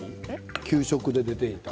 給食で出ていた。